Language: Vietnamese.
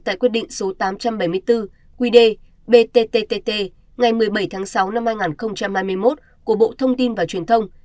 tại quyết định số tám trăm bảy mươi bốn qd bttttt ngày một mươi bảy tháng sáu năm hai nghìn hai mươi một của bộ thông tin và truyền thông